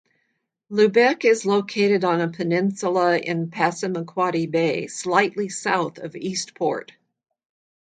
Lubec is located on a peninsula in Passamaquoddy Bay, slightly south of Eastport.